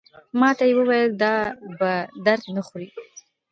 ماته یې وویل دا په درد نه خوري.